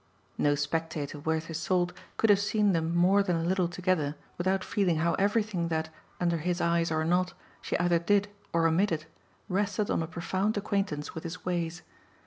No spectator worth his salt could have seen them more than a little together without feeling how everything that, under his eyes or not, she either did or omitted, rested on a profound acquaintance with his ways.